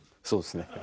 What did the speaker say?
そうですね。